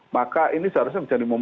maka ini seharusnya menjadi momen